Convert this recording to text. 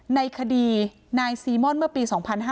ในคดีนายซีม่อนเมื่อปี๒๕๕๙